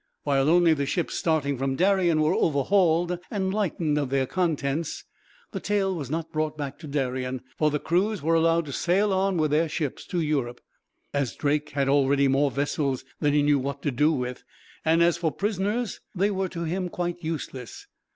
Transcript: While only the ships starting from Darien were overhauled, and lightened of their contents, the tale was not brought back to Darien; for the crews were allowed to sail on with their ships to Europe, as Drake had already more vessels than he knew what to do with; and as for prisoners, they were, to him, quite useless.